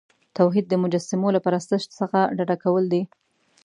توحید د مجسمو له پرستش څخه ډډه کول دي.